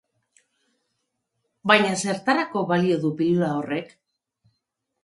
Baina zertarako balio du pilula horrek?